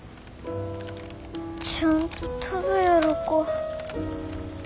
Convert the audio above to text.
ちゃんと飛ぶやろか。